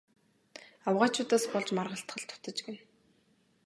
Авгайчуудаас болж маргалдах л дутаж гэнэ.